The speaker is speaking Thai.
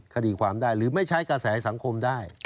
คดีความได้หรือไม่ใช้กระแสสังคมได้